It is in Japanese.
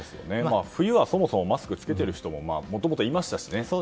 冬はそもそもマスクを着けている人がいましたからね。